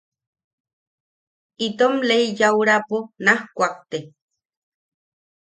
Itom lei yaʼuraapo naj kuakte.